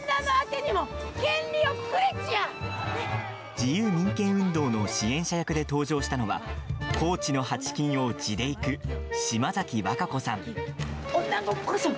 自由民権運動の支援者役で登場したのは高知の、はちきんを地で行く島崎和歌子さん。